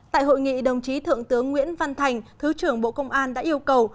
tại hội nghị đồng chí thượng tướng nguyễn văn thành thứ trưởng bộ công an đã yêu cầu